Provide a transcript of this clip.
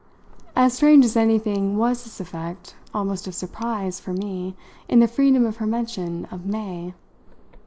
As strange as anything was this effect almost of surprise for me in the freedom of her mention of "May."